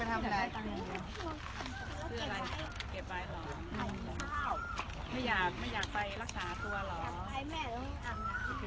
นั่งไปทำกัน